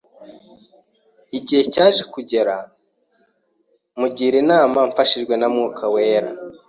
Igihe cyaje kugera mugira inama mfashijwe n’umwuka wera